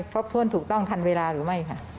ครบถ้วนถูกต้องทันเวลาหรือไม่ค่ะ